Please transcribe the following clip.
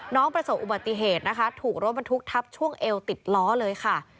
น้องประสบอุบัติเหตุถูกรถบันทุกข์ทับช่วงเอลติดล้อเลยค่ะ